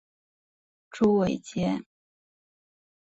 朱伟捷。